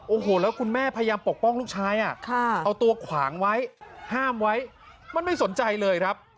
โอ้โหแล้วคุณแม่พยายามปกป้องลูกชายเอาตัวขวางไว้ห้ามไว้มันไม่สนใจเลยครับ